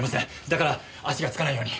だから足がつかないように。